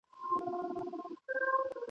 خان په لور پسي کوله خیراتونه !.